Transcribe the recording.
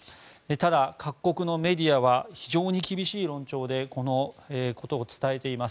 ただ、各国メディアは厳しい論調でこのことを伝えています。